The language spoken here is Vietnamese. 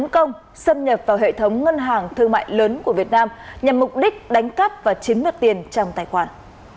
công xâm nhập vào hệ thống ngân hàng thương mại lớn của việt nam nhằm mục đích đánh cắp và chiếm đoạt tiền trong tài khoản